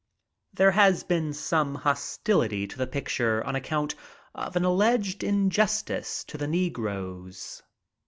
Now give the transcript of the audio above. There has been some hostility to the picture on account of an alleged injustice to the negroes.